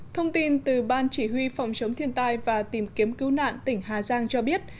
thông tin từ ban chỉ huy phòng chống thiên tai và tìm kiếm cứu nạn tỉnh hà giang cho biết